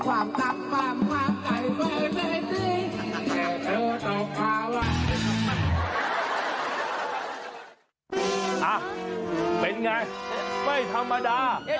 เป็นไงไม่ธรรมดา